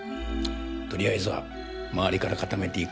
とりあえずは周りから固めていこう。